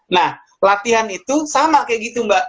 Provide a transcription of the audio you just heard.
nah latihan itu sama kayak gitu mbak